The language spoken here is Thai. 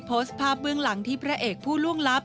โพสต์ภาพเบื้องหลังที่พระเอกผู้ล่วงลับ